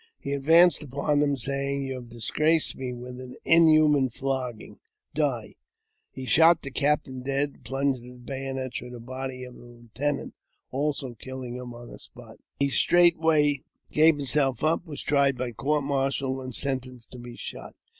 He advanced upon them, and saying, •* You ave disgraced me with an inhuman flogging — die !" He shot e captain dead, and plunged his bayonet through the body of the lieutenant, also killing him on the spot. He straightway gave himself up, was tried by court martial, and sentenced to be shot.